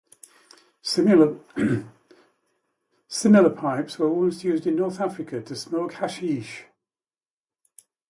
Similar pipes were once used in North Africa to smoke hashish.